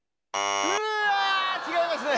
うわ違いますね。